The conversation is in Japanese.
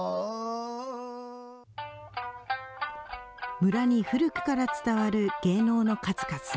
村に古くから伝わる芸能の数々。